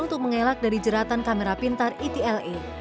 untuk mengelak dari jeratan kamera pintar etle